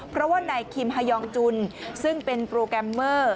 เพราะว่านายคิมฮายองจุนซึ่งเป็นโปรแกรมเมอร์